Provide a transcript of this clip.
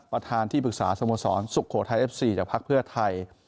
ประธานที่ปรึกษาสโมสรสุโขทัยเอฟซีจากภักดิ์เพื่อไทย